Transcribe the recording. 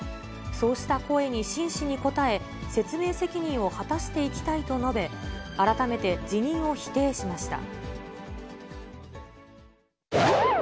そうした声に真摯に応え、説明責任を果たしていきたいと述べ、改めて辞任を否定しました。